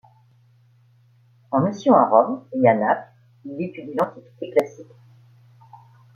En mission à Rome et à Naples, il y étudie l'Antiquité classique.